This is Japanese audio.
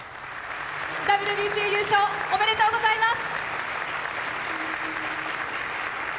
ＷＢＣ優勝おめでとうございます。